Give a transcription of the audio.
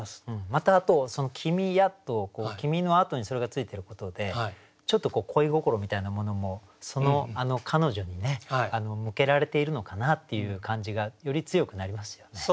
またあと「君や」と「君」のあとにそれが付いてることでちょっと恋心みたいなものもその彼女に向けられているのかなっていう感じがより強くなりますよね。